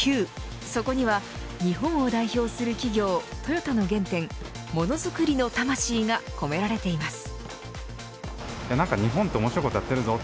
そこには日本を代表する企業トヨタの原点、モノづくりの魂が込められています。